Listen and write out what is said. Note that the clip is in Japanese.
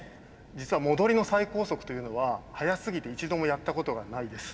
実は戻りの最高速というのは速すぎて一度もやったことがないです。